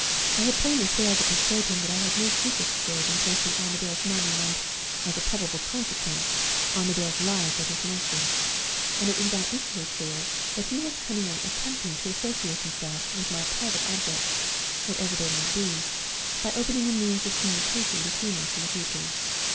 I had plainly failed to persuade him that I had no secret to serve in placing Armadale's money and (as a probable consequence) Armadale's life at his mercy. And it was now equally clear that he was cunningly attempting to associate himself with my private objects (whatever they might be) by opening a means of communication between us in the future.